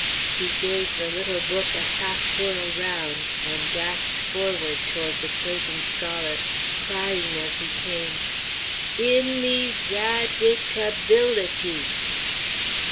He gave the little book a half whirl round, and dashed forward toward the chosen scholar, crying as he came: "In e rad i ca bility!"